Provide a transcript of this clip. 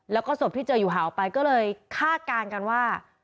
แล้วก็ศพที่เจออยู่ห่างออกไปก็เลยคาดการณ์กันว่า